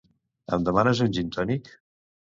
Em demanes un gin tònic?